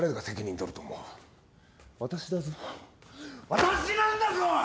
私なんだぞ！